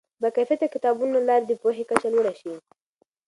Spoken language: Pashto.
د باکیفیته کتابونو له لارې د پوهې کچه لوړه شي.